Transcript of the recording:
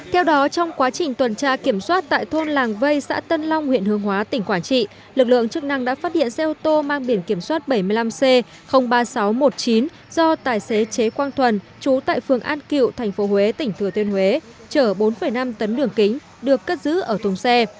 theo đó trong quá trình tuần tra kiểm soát tại thôn làng vây xã tân long huyện hương hóa tỉnh quảng trị lực lượng chức năng đã phát hiện xe ô tô mang biển kiểm soát bảy mươi năm c ba nghìn sáu trăm một mươi chín do tài xế chế quang thuần chú tại phường an kiệu tp huế tỉnh thừa thiên huế chở bốn năm tấn đường kính được cất giữ ở thùng xe